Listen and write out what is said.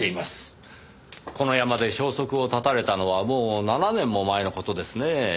この山で消息を絶たれたのはもう７年も前の事ですねぇ。